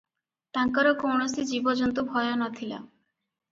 ତାଙ୍କର କୌଣସି ଜୀବଜନ୍ତୁ ଭୟ ନ ଥିଲା ।